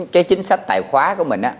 cái chính sách tài khoá của mình